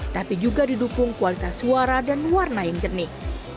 tapi juga didukung kualitas suara dan warna yang jernih